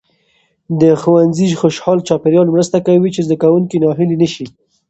د ښوونځي خوشال چاپیریال مرسته کوي چې زده کوونکي ناهیلي نسي.